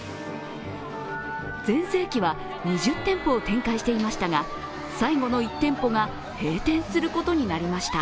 全盛期は２０店舗を展開していましたが最後の１店舗が閉店することになりました。